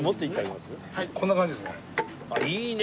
こんな感じですね。